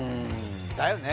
だよね